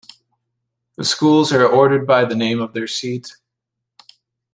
The schools are ordered by the name of their seat.